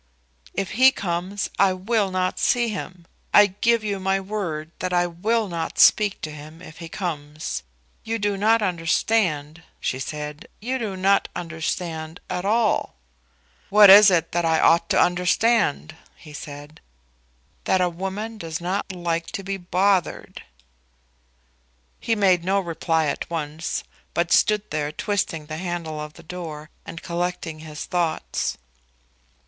"If he comes I will not see him. I give you my word that I will not speak to him if he comes. You do not understand," she said; "you do not understand at all." "What is it that I ought to understand?" he asked. "That a woman does not like to be bothered." He made no reply at once, but stood there twisting the handle of the door, and collecting his thoughts.